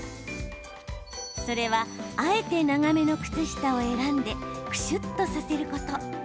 それは、あえて長めの靴下を選んで、くしゅっとさせること。